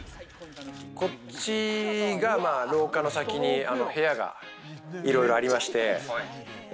こっちが廊下の先に部屋がいろいろありまして。